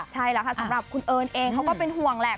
ใช่แล้วค่ะสำหรับคุณเอิญเองเขาก็เป็นห่วงแหละ